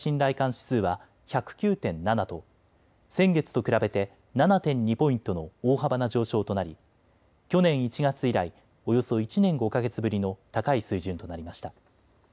指数は１０９．７と先月と比べて７．２ポイントの大幅な上昇となり、去年１月以来、およそ１年５か月ぶりの高い水準となりました。